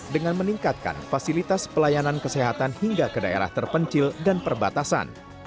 dengan meningkatkan fasilitas pelayanan kesehatan hingga ke daerah terpencil dan perbatasan